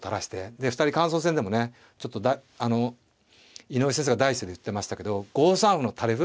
で二人感想戦でもねちょっとあの井上先生が第一声で言ってましたけど５三歩の垂れ歩。